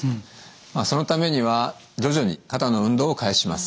まあそのためには徐々に肩の運動を開始します。